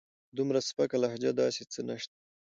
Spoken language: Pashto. په دومره سپکه لهجه داسې څه نشته.